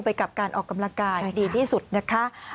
ไปกับการออกกำลังกายดีที่สุดนะคะ